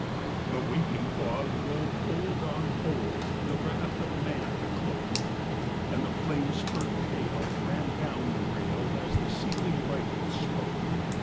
The weeping fog rolled fold on fold the wrath of man to cloak, And the flame spurts pale ran down the rail as the sealing rifles spoke.